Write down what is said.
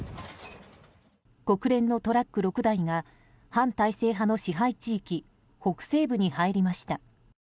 国連のトラック６台が反体制派の支配地域北西部に入りました。